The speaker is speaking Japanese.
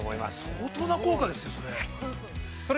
◆相当な効果ですよ、それ。